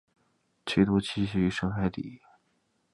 其多栖息于深海底。